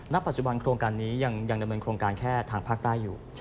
ปัจจุบันโครงการนี้ยังดำเนินโครงการแค่ทางภาคใต้อยู่